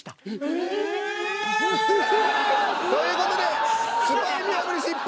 ええっ。という事でスパイ見破り失敗。